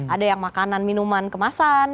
ada yang makanan minuman kemasan